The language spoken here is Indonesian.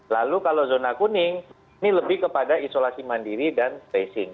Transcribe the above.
lalu kalau zona kuning ini lebih kepada isolasi mandiri dan tracing